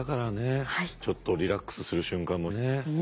ちょっとリラックスする瞬間もね。